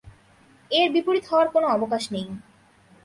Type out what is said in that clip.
এর বিপরীত হওয়ার কোন অবকাশ নেই।